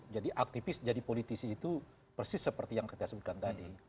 jadi aktivis jadi politisi itu persis seperti yang kita sebutkan tadi